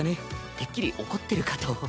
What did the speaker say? てっきり怒ってるかと。